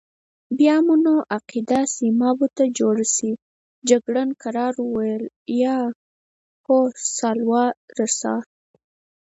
بیا مو نو عقیده سیمابو ته جوړه شي، جګړن کرار وویل: یا هم سالوارسان.